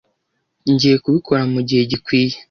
Ngiye kubikora mugihe gikwiye.